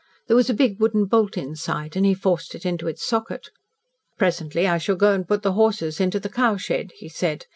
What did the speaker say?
There was a big wooden bolt inside and he forced it into its socket. "Presently I shall go and put the horses into the cowshed," he said.